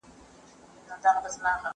زه اوس مېوې راټولوم؟!